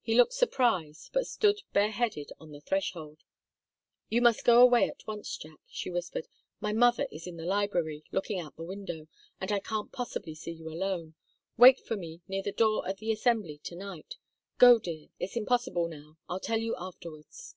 He looked surprised, but stood bareheaded on the threshold. "You must go away at once, Jack," she whispered. "My mother is in the library, looking out of the window, and I can't possibly see you alone. Wait for me near the door at the Assembly to night. Go, dear it's impossible now. I'll tell you afterwards."